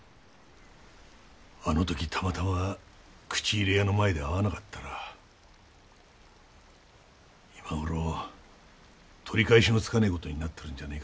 あの時たまたま口入れ屋の前で会わなかったら今頃は取り返しのつかねえ事になってるんじゃねえかと。